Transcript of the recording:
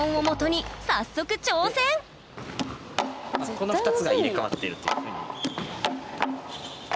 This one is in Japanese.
この２つが入れ代わってるっていうふうに。